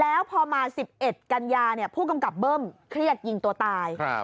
แล้วพอมา๑๑กันยาเนี่ยผู้กำกับเบิ้มเครียดยิงตัวตาย